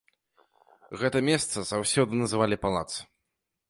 Гэта месца заўсёды называлі палац.